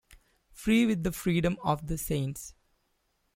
Free with the freedom of the saints.